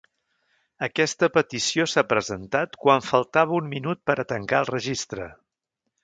Aquesta petició s’ha presentat quan faltava un minut per a tancar el registre.